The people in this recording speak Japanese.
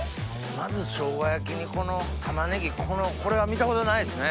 まず生姜焼きにこのたまねぎこれは見たことないですね。